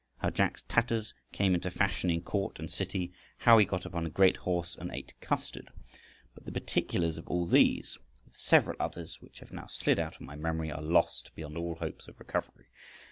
How Jack's tatters came into fashion in court and city; how he got upon a great horse and ate custard . But the particulars of all these, with several others which have now slid out of my memory, are lost beyond all hopes of recovery.